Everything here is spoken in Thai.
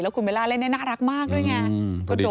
คุณเบลล่าเล่นได้น่ารักมากด้วยไง